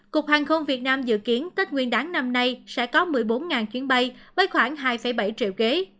cục hàng không việt nam dự kiến tết nguyên đáng năm nay sẽ có một mươi bốn chuyến bay với khoảng hai bảy triệu ghế